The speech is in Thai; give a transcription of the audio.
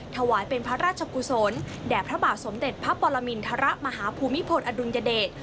ถวายเป็นพระราชกุศลแด่พระบาทสมเด็จพระปรมินทรมาฮภูมิพลอดุลยเดช